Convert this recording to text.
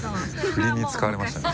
振りに使われましたね。